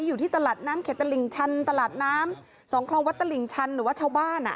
อยู่ที่ตลาดน้ำเขตตลิ่งชันตลาดน้ำสองคลองวัดตลิ่งชันหรือว่าชาวบ้านอ่ะ